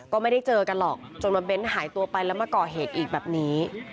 ก็ไม่ได้เจอกันหรอกจนมาเน้นหายตัวไปแล้วมาก่อเหตุอีกแบบนี้